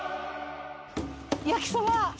焼きそば？